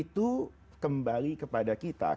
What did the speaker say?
dan kemudian pegarappan